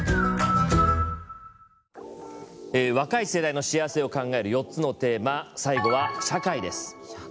若い世代の幸せを考える４つのテーマ最後は「社会」です。